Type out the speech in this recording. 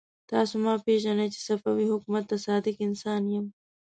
تاسو ما پېژنئ چې صفوي حکومت ته صادق انسان يم.